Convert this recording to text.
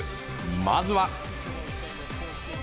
まずは。